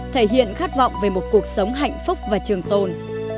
thể hiện khát vọng về một cuộc sống hạnh phúc và trường tồn